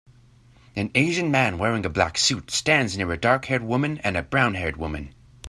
An asian man wearing a black suit stands near a darkhaired woman and a brownhaired woman.